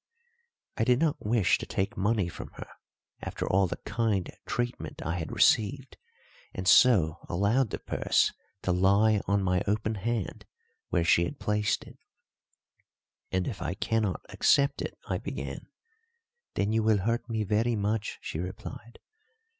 I did not wish to take money from her after all the kind treatment I had received, and so allowed the purse to lie on my open hand where she had placed it. "And if I cannot accept it " I began. "Then you will hurt me very much," she replied.